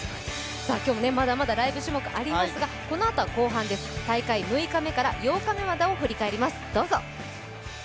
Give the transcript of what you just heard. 今日もまだまだライブ種目ありますがこのあとは後半です、大会６日目から８日目までを振り返ります。